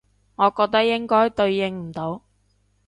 我覺得應該對應唔到